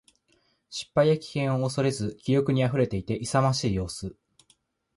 失敗や危険を恐れず気力に溢れていて、勇ましい様子。